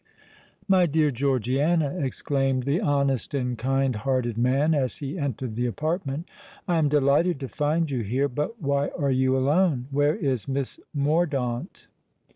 "My dear Georgiana," exclaimed the honest and kind hearted man, as he entered the apartment, "I am delighted to find you here. But why are you alone? Where is Miss Mordaunt?"